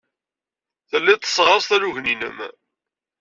Telliḍ tesseɣraseḍ alugen-nnem.